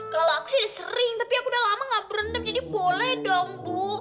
kalau aku sih sering tapi aku udah lama gak berendam jadi boleh dong bu